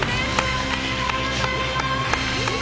おめでとうございます。